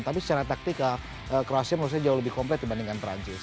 tapi secara taktikal kroasia menurut saya jauh lebih komplek dibandingkan perancis